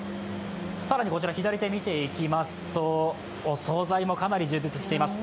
更にこちら左手見ていきますと、お総菜もかなり充実しています。